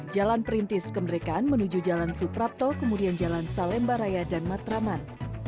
jalan perintis kemrekan menuju jalan suprapto kemudian jalan salembaraya dan matraman